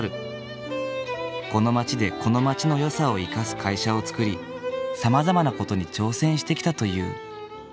この町でこの町のよさを生かす会社を作りさまざまな事に挑戦してきたという。